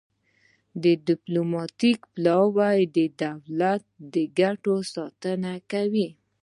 ډیپلوماتیک پلاوی د دولت د ګټو ساتنه کوي